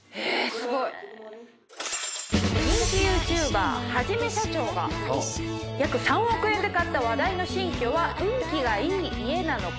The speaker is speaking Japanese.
すごい！人気ＹｏｕＴｕｂｅｒはじめしゃちょーが約３億円で買った話題の新居は運気がいい家なのか